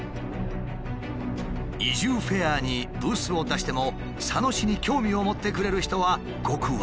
移住フェアにブースを出しても佐野市に興味を持ってくれる人はごく僅かだったという。